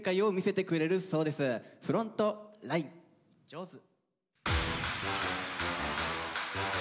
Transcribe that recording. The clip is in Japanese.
上手。